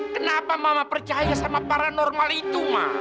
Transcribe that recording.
kenapa mama percaya sama para narwala itu ma